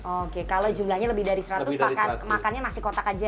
oke kalau jumlahnya lebih dari seratus makannya nasi kotak aja